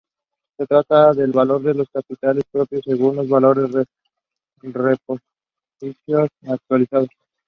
The piece focused on their shared Chinese heritage.